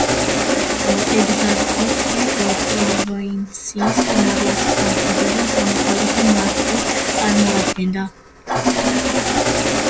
ეგზარქოსი პროვინციის უმაღლეს სამხედრო და სამოქალაქო მმართველს წარმოადგენდა.